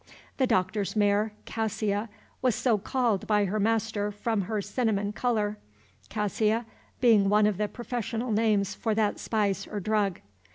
The Doctor's mare, Cassia, was so called by her master from her cinnamon color, cassia being one of the professional names for that spice or drug.